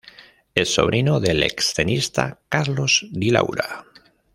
Es sobrino del ex-tenista Carlos Di Laura.